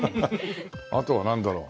あとはなんだろう？